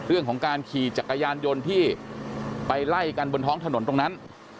เรื่องของการขี่จักรยานยนต์ที่ไปไล่กันบนท้องถนนตรงนั้น